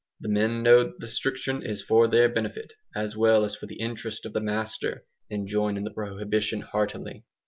The men know that the restriction is for their benefit, as well as for the interest of the master, and join in the prohibition heartily.